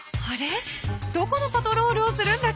どこのパトロールをするんだっけ？